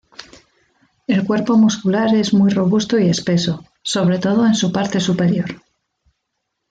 El cuerpo muscular es muy robusto y espeso, sobre todo en su parte superior.